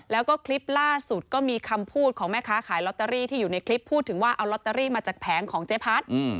แล้วก็คลิปล่าสุดก็มีคำพูดของแม่ค้าขายลอตเตอรี่ที่อยู่ในคลิปพูดถึงว่าเอาลอตเตอรี่มาจากแผงของเจ๊พัด